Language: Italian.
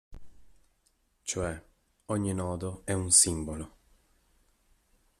Cioè, ogni nodo è un simbolo.